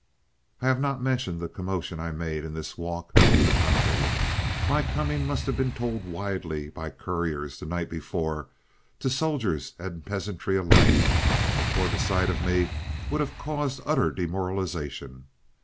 "I have not mentioned the commotion I made in this walk over the country. My coming must have been told widely by couriers the night before, to soldiers and peasantry alike, or the sight of me would have caused utter demoralization.